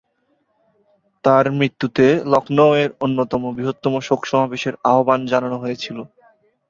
তাঁর মৃত্যুতে লখনউয়ের অন্যতম বৃহত্তম শোক সমাবেশের আহ্বান জানানো হয়েছিল।